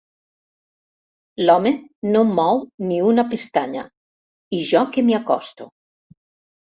L'home no mou ni una pestanya i jo que m'hi acosto.